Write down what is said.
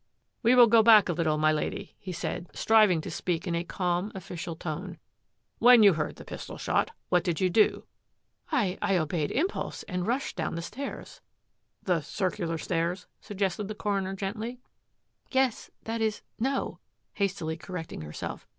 " We will go back a little, my Lady," he said, striving to speak in a calm, official tone. " When you heard the pistol shot, what did you do? " "I — I obeyed impulse and rushed down the stairs." "The circular stairs?" suggested the coroner gently. " Yes — that is, no," hastily correcting herself.